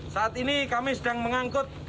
saat ini kami sedang mengangkut